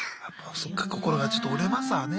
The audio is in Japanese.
そっか心がちょっと折れますわね。